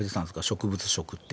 植物食って。